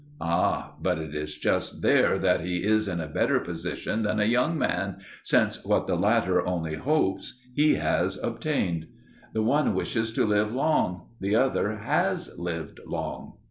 Ah, but it is just there that he is in a better position than a young man, since what the latter only hopes he has obtained. The one wishes to live long; the other has lived long.